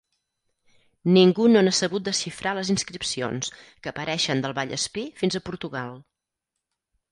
Ningú no n’ha sabut desxifrar les inscripcions, que apareixen del Vallespir fins a Portugal.